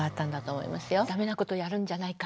ダメなことやるんじゃないか？